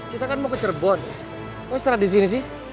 kita kan mau ke cerbon kok istirahat disini sih